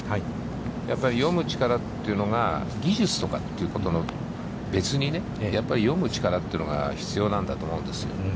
やっぱり読む力というのが、技術とかということとは別にやっぱり読む力というのが必要なんだと思うんですよ。